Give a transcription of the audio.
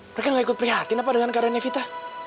mereka gak ikut prihatin apa dengan keadaan evita